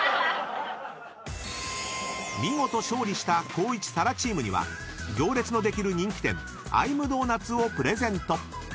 ［見事勝利した光一・紗来チームには行列のできる人気店「Ｉ’ｍｄｏｎｕｔ？」をプレゼント］